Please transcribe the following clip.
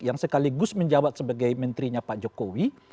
yang sekaligus menjabat sebagai menterinya pak jokowi